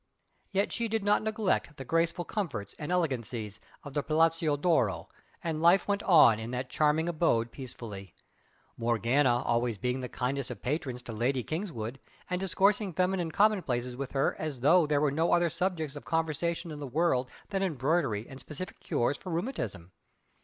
Yet she did not neglect the graceful comforts and elegancies of the Palazzo d'Oro, and life went on in that charming abode peacefully. Morgana always being the kindest of patrons to Lady Kingswood, and discoursing feminine commonplaces with her as though there were no other subjects of conversation in the world than embroidery and specific cures for rheumatism.